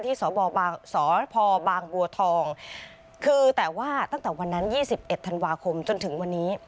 สพบางบัวทองคือแต่ว่าตั้งแต่วันนั้น๒๑ธันวาคมจนถึงวันนี้